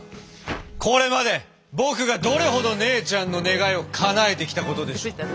これまで僕がどれほど姉ちゃんの願いをかなえてきたことでしょう。